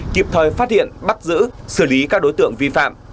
kịp thời phát hiện bắt giữ xử lý các đối tượng vi phạm